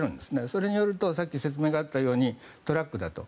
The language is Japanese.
それによるとさっき説明があったようにトラックだと。